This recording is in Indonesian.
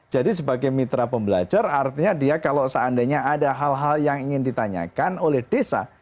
sebagai mitra pembelajar artinya dia kalau seandainya ada hal hal yang ingin ditanyakan oleh desa